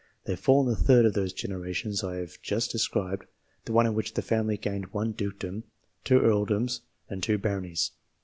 They fall in the third of those generations I have just described the one in which the family gained one dukedom, two earldoms, and two baronies.